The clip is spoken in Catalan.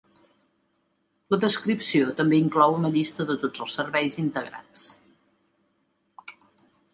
La descripció també inclou una llista de tots els serveis integrats.